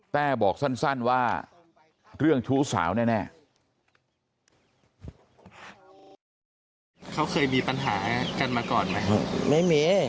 บอกสั้นว่าเรื่องชู้สาวแน่